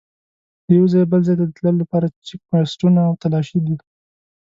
له یوه ځایه بل ځای ته د تلو لپاره چیک پوسټونه او تلاشي دي.